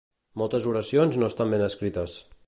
Moltes oracions no estan ben escrites.